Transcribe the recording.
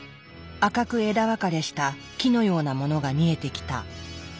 赤く枝分かれした木のようなものが見えてきた。